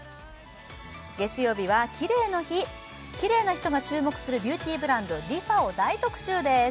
月曜日はキレイの日キレイな人が注目するビューティーブランドＲｅＦａを大特集です